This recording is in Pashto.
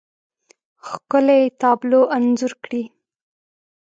ښکلې، تابلو انځور کړي